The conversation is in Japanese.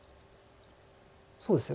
そうですね。